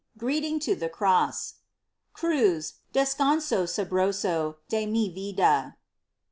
GREETING TO THE CROSS. Cruz, descanso sabroso de mi vida.